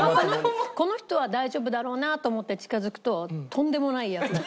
この人は大丈夫だろうなと思って近づくととんでもないヤツ。